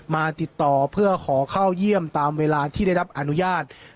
มาติดต่อเพื่อขอเข้าเยี่ยมตามเวลาที่ได้รับอนุญาต